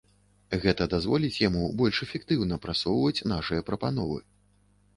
Гэта дазволіць яму больш эфектыўна прасоўваць нашыя прапановы.